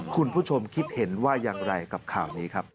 คุณผู้ชมคิดเห็นว่าอย่างไรกับข่าวนี้ครับ